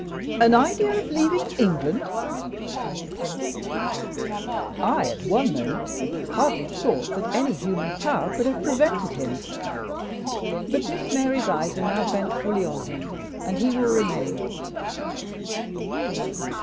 "An idea of leaving England?" cried the king. "I, at one moment, hardly thought that any human power could have prevented him; but Miss Mary's eyes are now bent fully on him, and he will remain."